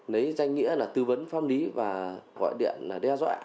lấy danh nghĩa là tư vấn pháp lý và gọi điện đe dọa